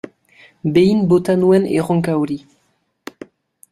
Behin bota nuen erronka hori.